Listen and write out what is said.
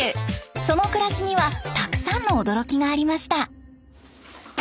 その暮らしにはたくさんの驚きがありました。